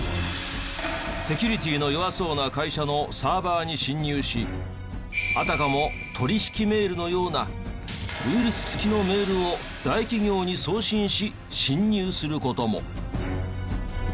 セキュリティーの弱そうな会社のサーバーに侵入しあたかも取引メールのようなウイルス付きのメールを大企業に送信し侵入する事も。